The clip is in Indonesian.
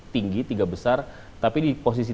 tinggi tiga besar tapi di posisi